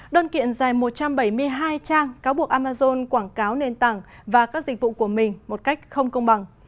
đơn kiện dài một trăm bảy mươi hai trang cáo buộc amazon quảng cáo nền tảng và các dịch vụ của mình một cách không công bằng